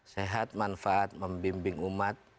sehat manfaat membimbing umat